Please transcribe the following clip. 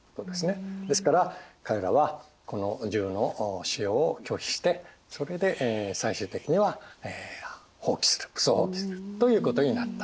ですから彼らはこの銃の使用を拒否してそれで最終的には蜂起する武装蜂起するということになったわけです。